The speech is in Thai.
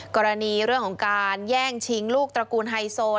กรณีเรื่องของการแย่งชิงลูกตระกูลไฮโซ